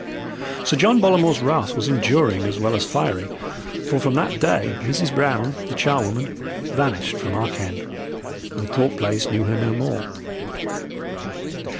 Sir John Bollamore's wrath was enduring as well as fiery, for from that day Mrs. Brown, the charwoman, vanished from our ken, and Thorpe Place knew her no more.